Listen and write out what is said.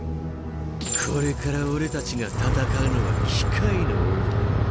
これから俺たちが戦うのは機械の王だ。